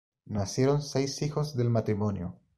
Nacieron seis hijos del matrimonio.